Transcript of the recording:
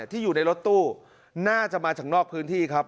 ที่อยู่ในรถตู้น่าจะมาจากนอกพื้นที่ครับ